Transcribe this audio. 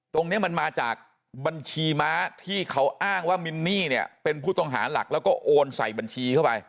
ตรงนี้มันมาจากบัญชีม้าที่เขาอ้างว่ามินนี่เนี่ยเป็นผู้ต้องหาหลักแล้วก็โอนใส่บัญชีเข้าไป